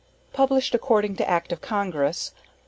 PUBLISHED ACCORDING TO ACT OF CONGRESS.